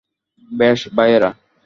বেশ, ভাইয়েরা।